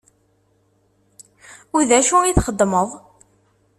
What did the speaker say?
U d acu i txeddmeḍ?